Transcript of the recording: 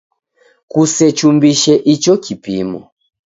Kusechumbise icho kipimo.